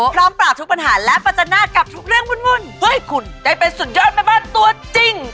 ปราบทุกปัญหาและประจันหน้ากับทุกเรื่องวุ่นเพื่อให้คุณได้เป็นสุดยอดแม่บ้านตัวจริง